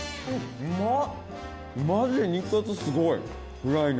うまっ！